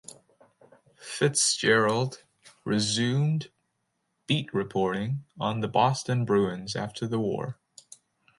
Fitzgerald resumed beat reporting on the Boston Bruins after the war.